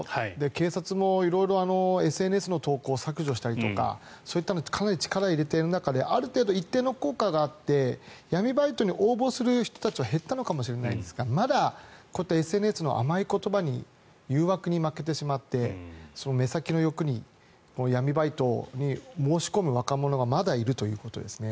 警察も色々ＳＮＳの投稿を削除したりとかそういったのってかなり力を入れている中である程度、一定の効果があって闇バイトに応募する人たちは減ったのかもしれませんがまだＳＮＳの甘い言葉に誘惑に負けてしまって目先の欲に闇バイトに申し込む若者がまだいるということですね。